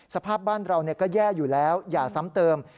สภาพบ้านเราก็แย่อยู่แล้วอย่าซ้ำเติม